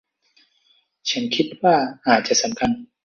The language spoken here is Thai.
ฉันคิดว่าอาจจะสำคัญ